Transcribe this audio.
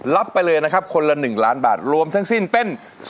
รับไปเลยนะครับคนละหนึ่งล้านบาทรวมทั้งสิ้นเป็นสองล้านบาท